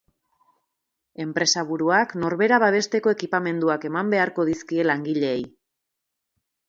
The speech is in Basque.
Enpresaburuak norbera babesteko ekipamenduak eman beharko dizkie langileei.